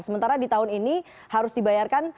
sementara di tahun ini harus dibayarkan